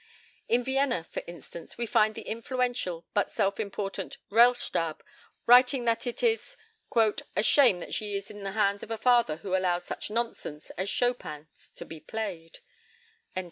In Vienna, for instance, we find the influential but self important Rellstab writing that it is "a shame that she is in the hands of a father who allows such nonsense as Chopin's to be played."